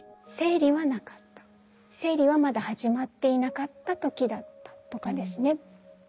生理はまだ始まっていなかった時だったとかですね。